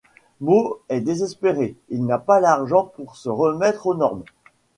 Moe est désespéré, il n'a pas l'argent pour se remettre aux normes.